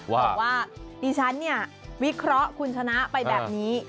บอกว่าดิฉันเนี่ยวิเคราะห์คุณชนะไปแบบนี้